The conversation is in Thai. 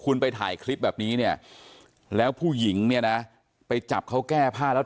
คุณไปถ่ายคลิปแบบนี้เนี่ยแล้วผู้หญิงเนี่ยนะไปจับเขาแก้ผ้าแล้ว